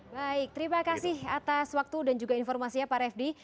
baik terima kasih atas waktu dan juga informasinya pak refdy